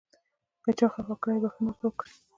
که چا خفه کړئ بښنه ورته وکړئ .